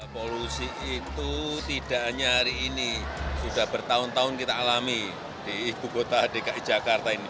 polusi itu tidak hanya hari ini sudah bertahun tahun kita alami di ibu kota dki jakarta ini